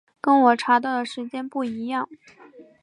跟我查到的时间不一样